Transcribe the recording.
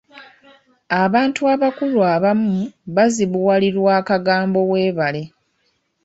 Abantu abakulu abamu bazibuwalirwa akagambo weebale.